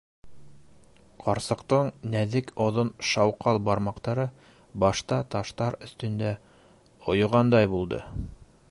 Ҡарсыҡтың нәҙек оҙон шауҡал бармаҡтары башта таштар өҫтөндә ойоғандай булды.